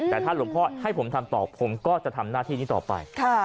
แต่ถ้าหลวงพ่อให้ผมทำต่อผมก็จะทำหน้าที่นี้ต่อไป